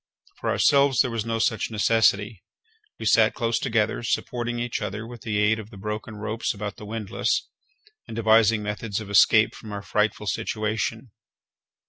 For ourselves there was no such necessity. We sat close together, supporting each other with the aid of the broken ropes about the windlass, and devising methods of escape from our frightful situation.